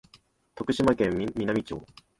徳島県美波町